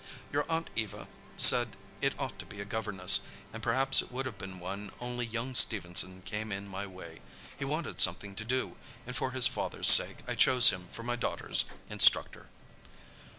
"Your Aunt Eva said it ought to be a governess, and perhaps it would have been one only young Stephenson came in my way. He wanted something to do, and for his father's sake I chose him for my daughter's instructor."